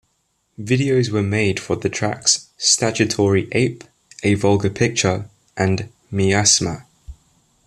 Videos were made for the tracks "Statutory Ape", "A Vulgar Picture", and "Miasma".